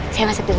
saya masuk dulu